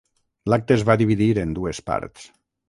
L'acte es va dividir en dues parts.